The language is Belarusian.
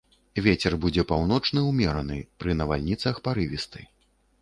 Вецер будзе паўночны ўмераны, пры навальніцах парывісты.